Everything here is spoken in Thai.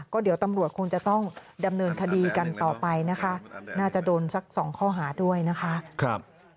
ก็เดี๋ยวตำรวจคงจะต้องดำเนินคดีกันต่อไปนะคะน่าจะโดนสักสองข้อหาด้วยนะคะ